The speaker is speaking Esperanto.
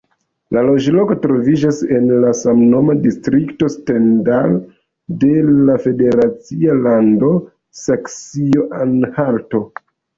La loĝloko troviĝas en la samnoma distrikto Stendal de la federacia lando Saksio-Anhalto.